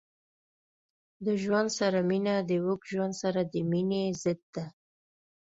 د ژوند سره مینه د اوږد ژوند سره د مینې ضد ده.